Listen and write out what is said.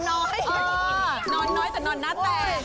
นอนน้อยแต่นอนนะแต่